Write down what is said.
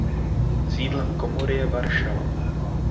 Sídlem komory je Varšava.